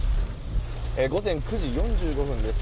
午前９時４５分です。